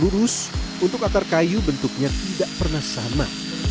lurus untuk akar kayu bentuknya tidak pernah sama